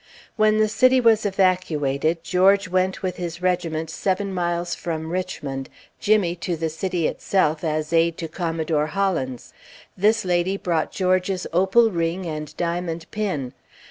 When the city was evacuated, George went with his regiment seven miles from Richmond, Jimmy to the city itself, as aide to Com. Hollins. This lady brought George's opal ring and diamond pin.